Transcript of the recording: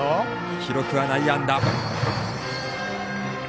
記録は内野安打。